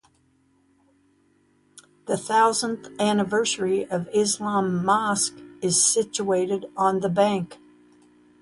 The Thousandth Anniversary of Islam Mosque is situated on the bank.